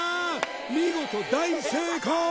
見事大成功！